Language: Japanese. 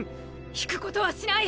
退くことはしない！！